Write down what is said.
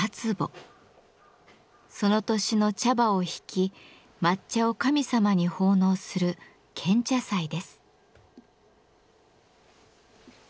その年の茶葉をひき抹茶を神様に奉納する「献茶祭」です。